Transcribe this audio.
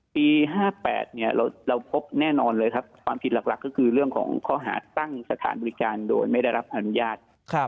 ปี๕๘เราพบแน่นอนเลยครับความผิดหลักก็คือเรื่องของข้อหาตั้งสถานบริการโดยไม่ได้รับอนุญาต